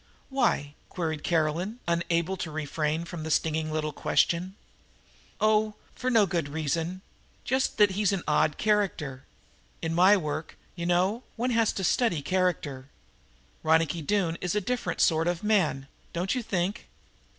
"Why?" queried Caroline, unable to refrain from the stinging little question. "Oh, for no good reason just that he's an odd character. In my work, you know, one has to study character. Ronicky Doone is a different sort of man, don't you think?"